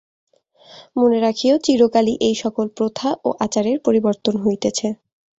মনে রাখিও, চিরকালই এই-সকল প্রথা ও আচারের পরিবর্তন হইতেছে।